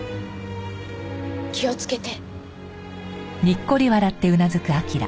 気をつけて。